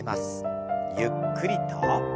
ゆっくりと。